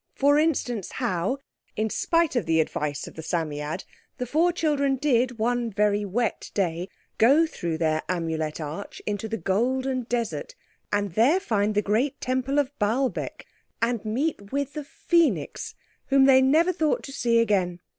For instance, how, in spite of the advice of the Psammead, the four children did, one very wet day, go through their Amulet Arch into the golden desert, and there find the great Temple of Baalbec and meet with the Phœnix whom they never thought to see again.